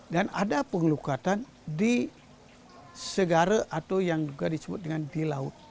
dan ada pengelukatan di segara atau yang juga disebut dengan di laut